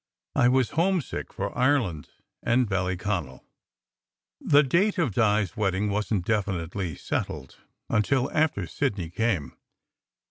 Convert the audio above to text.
I was homesick for Ireland and Ballyconal. The date of Di s wedding wasn t definitely settled until after Sidney came.